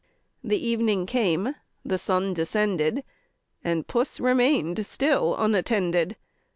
The evening came, the sun descended, And Puss remain'd still unattended.